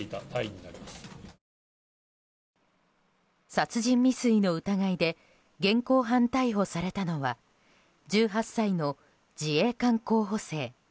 殺人未遂の疑いで現行犯逮捕されたのは１８歳の自衛官候補生。